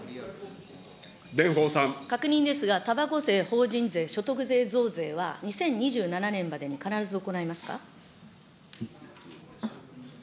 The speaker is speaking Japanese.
確認ですが、たばこ税、法人税、所得税増税は、２０２７年までに必ず行いますか。